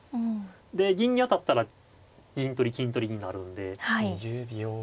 で銀に当たったら銀取り金取りになるんで。